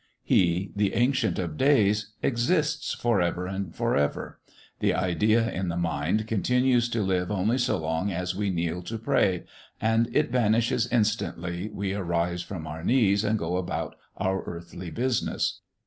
He, the Ancient of Days, exists forever and forever; the idea in the mind continues to live only so long as we kneel to pray, and it vanishes instantly we arise from our knees and go about our earthly business.